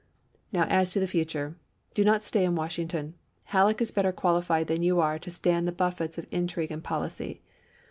.. Now as to the future. Do not stay in Washington. Halleck is better quahfied than you are to stand the buffets of intrigue and policy.